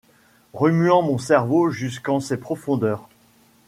Remuant mon cerveau jusqu'en ses profondeurs